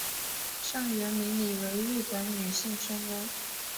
上原明里为日本女性声优。